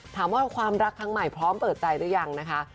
ถามว่าความรักครั้งใหม่พร้อมเปิดใจหรือยังนะคะ